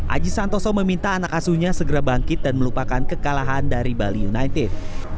aji santoso meminta anak asuhnya segera bangkit dan melupakan kekalahan dari bali united